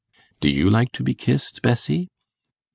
'Do you like to be kissed, Bessie?